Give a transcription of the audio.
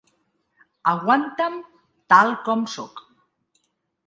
Aguanta'm tal com sóc.